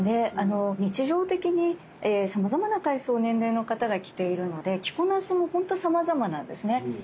日常的にさまざまな階層年齢の方が着ているので着こなしもほんとさまざまなんですね。